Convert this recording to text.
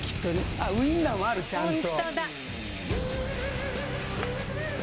あっウインナーもあるちゃんと！